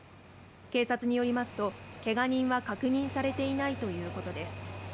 警察によりますと、けが人は確認されていないということです。